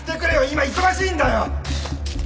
今忙しいんだよ！